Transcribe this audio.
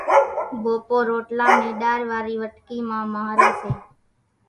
ڀوپو روٽلا نين ڏار واري وٽڪي مان مانھري سي